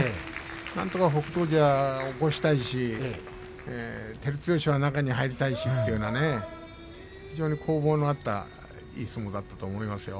なんとか北勝富士は押したいし照強は中に入りたいというような攻防のあったいい相撲だったと思いますよ。